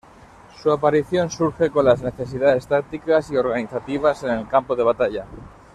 Su aparición surge con las necesidades tácticas y organizativas en el campo de batalla.